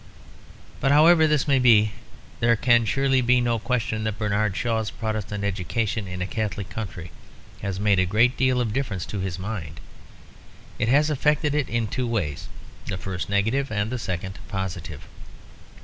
But however this may be, there can surely be no question that Bernard Shaw's Protestant education in a Catholic country has made a great deal of difference to his mind. It has affected it in two ways, the first negative and the second positive.